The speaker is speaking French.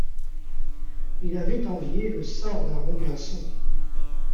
Il avait envié le sort d’un Robinson!